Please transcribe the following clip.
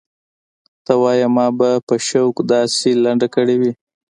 ته وايې ما به په شوق داسې لنډه کړې وي.